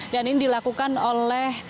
dan ini dilakukan oleh